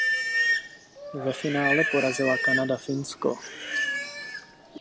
Ve finále porazila Kanada Finsko.